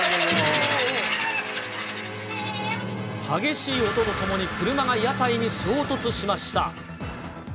激しい音とともに車が屋台に衝突しました。